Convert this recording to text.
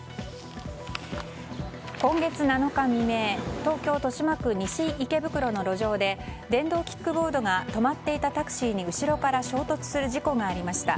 今月７日未明東京・豊島区西池袋の路上で電動キックボードが止まっていたタクシーに後ろから衝突する事故がありました。